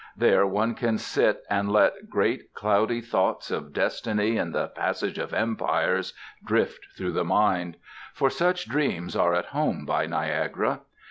There one can sit and let great cloudy thoughts of destiny and the passage of empires drift through the mind; for such dreams are at home by Niagara.